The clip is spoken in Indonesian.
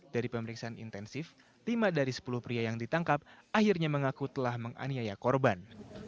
dari pemeriksaan intensif lima dari sepuluh pria yang ditangkap akhirnya mengaku telah menganiaya korban